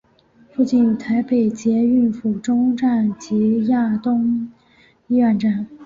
附近有台北捷运府中站及亚东医院站。